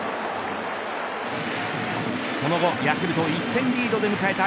その後ヤクルト１点リードで迎えた